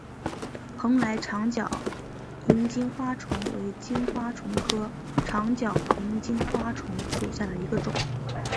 蓬莱长脚萤金花虫为金花虫科长脚萤金花虫属下的一个种。